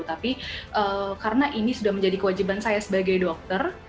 tapi karena ini sudah menjadi kewajiban saya sebagai dokter